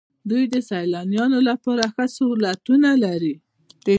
دوی د سیلانیانو لپاره ښه سهولتونه لري.